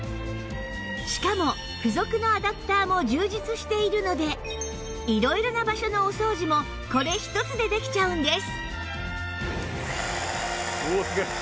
しかも付属のアダプターも充実しているので色々な場所のお掃除もこれ１つでできちゃうんです